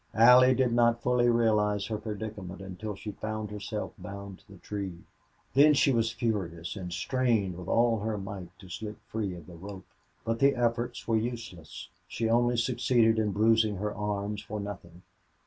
Allie did not fully realize her predicament until she found herself bound to the tree. Then she was furious, and strained with all her might to slip free of the rope. But the efforts were useless; she only succeeded in bruising her arms for nothing.